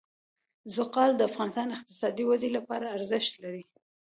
زغال د افغانستان د اقتصادي ودې لپاره ارزښت لري.